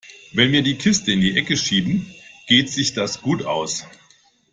Wenn wir die Kisten in die Ecke schieben, geht sich das gut aus.